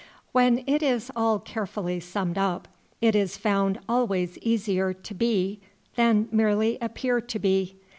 When it is all carefully summed up, it is found always easier to be than merely appear to be.